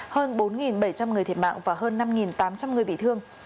hơn bốn bảy trăm linh người thiệt mạng và hơn năm tám trăm linh người bị thương